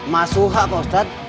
mas suha pak ustadz